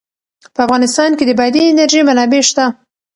په افغانستان کې د بادي انرژي منابع شته.